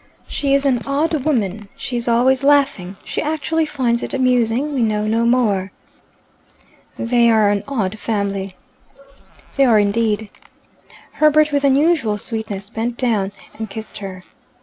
"She is an odd woman. She is always laughing. She actually finds it amusing that we know no more." "They are an odd family." "They are indeed." Herbert, with unusual sweetness, bent down and kissed her.